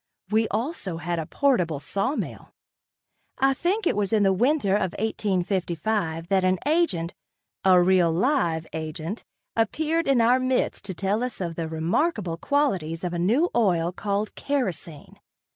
We also had a portable sawmill. I think it was in the winter of 1855 that an agent, a real live agent, appeared in our midst to tell us of the remarkable qualities of a new oil called kerosene.